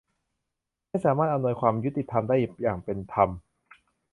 ให้สามารถอำนวยความยุติธรรมได้อย่างเป็นธรรม